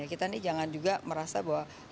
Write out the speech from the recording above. kita nih jangan juga merasa bahwa